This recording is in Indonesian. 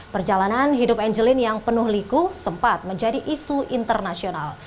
perjalanan hidup angeline yang penuh liku sempat menjadi isu internasional